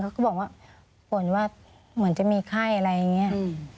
ก็บอกว่าบ่นว่าเหมือนจะมีไข้อะไรอย่างนี้